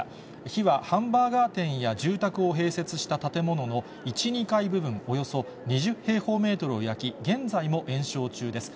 火はハンバーガー店や住宅を併設した建物の１、２階部分、およそ２０平方メートルを焼き、現在も延焼中です。